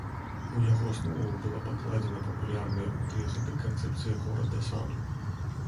У яго аснову была пакладзена папулярная ў тыя гады канцэпцыя горада-саду.